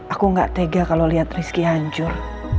aku gak tega kalau liat risky hancur